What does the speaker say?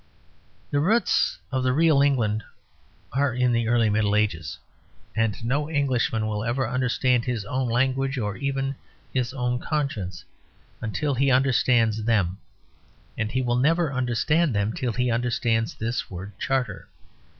The roots of the real England are in the early Middle Ages, and no Englishman will ever understand his own language (or even his own conscience) till he understands them. And he will never understand them till he understands this word "charter."